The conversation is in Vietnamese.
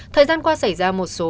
thời gian qua xảy ra một số vụ